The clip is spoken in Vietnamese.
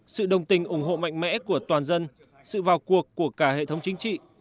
sự đồng tình ủng hộ mạnh mẽ của toàn dân sự vào cuộc của cả hệ thống chính trị